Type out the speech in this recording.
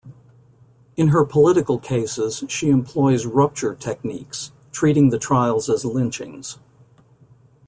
In her political cases, she employs "rupture" techniques, treating the trials as lynchings.